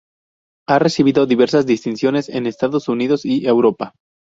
Ha recibido diversas distinciones en Estados Unidos y Europa.